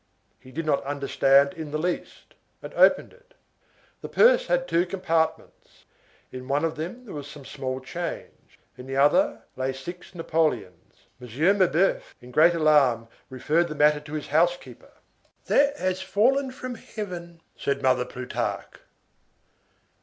He did not understand in the least, and opened it. The purse had two compartments; in one of them there was some small change; in the other lay six napoleons. M. Mabeuf, in great alarm, referred the matter to his housekeeper. "That has fallen from heaven," said Mother Plutarque.